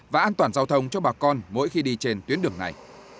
và an toàn giao thông cho bà con mỗi khi đi trên tuyến đường này